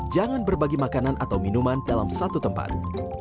jangan berbagi makanan atau minuman dalam satu tempat